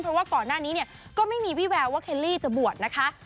เพราะว่าก่อนหน้านี้เนี่ยก็ไม่มีวิแววว่าเคลลี่จะบวชนะคะ